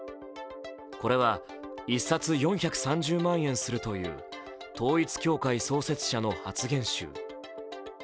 これは１冊４３０万円するという統一教会創始者の発言集。